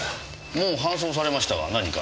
もう搬送されましたが何か？